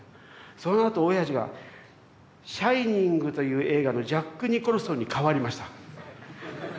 そのあとおやじが「シャイニング」という映画のジャック・ニコルソンに変わりました。